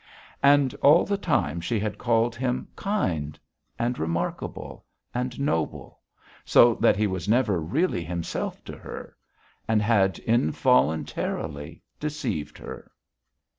And all the time she had called him kind, remarkable, noble, so that he was never really himself to her, and had involuntarily deceived her....